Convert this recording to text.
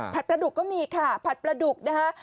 ผัดประดูกก็มีค่ะผัดประดูกนะฮะ